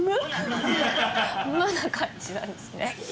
無な感じなんですね。